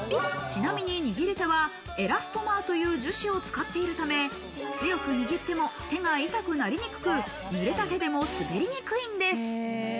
ちなみに握り手はエラストマーという樹脂を使っているため、強く握っても手が痛くなりにくく、ぬれた手でも滑りにくいんです。